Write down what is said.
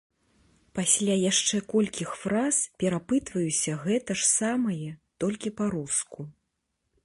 Пасля яшчэ колькіх фраз перапытваюся гэта ж самае толькі па-руску.